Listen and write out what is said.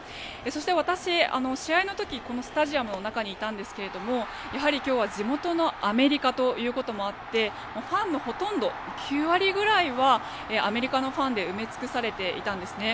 私、試合の時このスタジアムの中にいたんですがやはり今日は地元のアメリカということもあってファンのほとんど、９割ぐらいはアメリカのファンで埋め尽くされていたんですね。